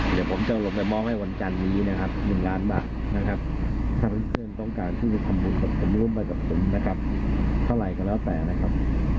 เดี๋ยวผมจะลงไปมอบให้วันจันนี้นะครับหนึ่งล้านบาทนะครับ